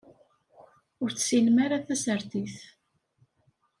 Ur tessinem ara tasertit.